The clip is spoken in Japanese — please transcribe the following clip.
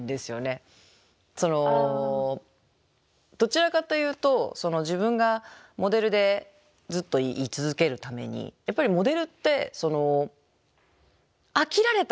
そのどちらかというと自分がモデルでずっと居続けるためにやっぱりモデルって飽きられたら終わりなんですよね。